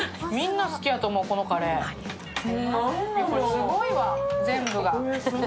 すごいわ、全部が。